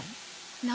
何？